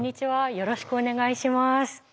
よろしくお願いします。